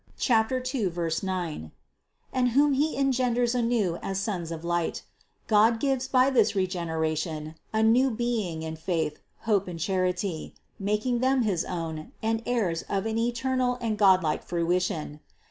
2,9), and whom He engenders anew as sons of light, God gives by this regeneration a new being in faith, hope and charity, making them his own and heirs of an eternal and godlike fruition.